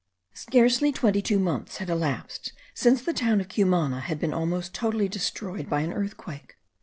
Scarcely twenty two months had elapsed since the town of Cumana had been almost totally destroyed by an earthquake.